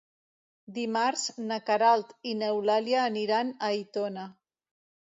Dimarts na Queralt i n'Eulàlia aniran a Aitona.